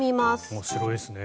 面白いですね。